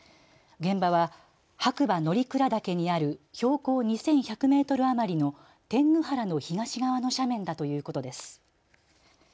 現場は白馬乗鞍岳にある標高２１００メートル余りの天狗原の東側の斜面だということです。